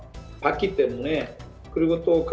dan saya juga bisa memiliki lebih banyak waktu